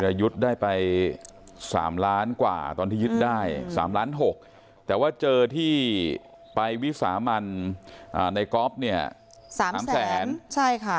ยุทธ์ได้ไป๓ล้านกว่าตอนที่ยึดได้๓ล้านหกแต่ว่าเจอที่ไปวิสามันในก๊อฟเนี่ย๓แสนใช่ค่ะ